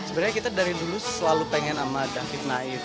sebenarnya kita dari dulu selalu pengen sama david naif